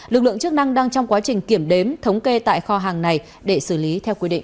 lực lượng chức năng đang trong quá trình kiểm đếm thống kê tại kho hàng này để xử lý theo quy định